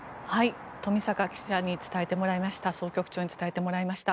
冨坂総局長に伝えてもらいました。